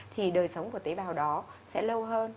thì đời sống của tế bào đó sẽ lâu hơn